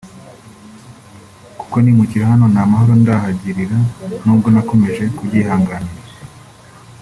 Kuko nimukira hano nta mahoro ndahagirira nubwo nakomeje kubyihanganira